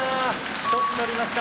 １つ乗りました。